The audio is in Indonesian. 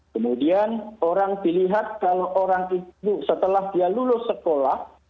kemudian orang dilihat kalau orang itu setelah dia lulus sekolah